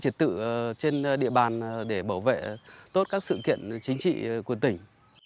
thì tự trên địa bàn để bảo vệ tốt các sự kiện chính trị quân tỉnh